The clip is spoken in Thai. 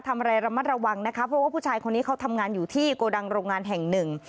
ทำอะไรระมัดระวังนะคะเพราะว่าผู้ชายคนนี้เขาทำงานอยู่ที่โกดังโรงงานแห่งหนึ่ง